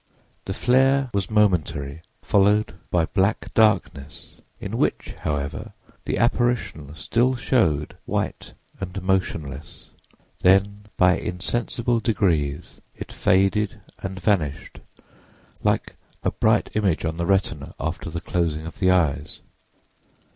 The flare was momentary, followed by black darkness, in which, however, the apparition still showed white and motionless; then by insensible degrees it faded and vanished, like a bright image on the retina after the closing of the eyes.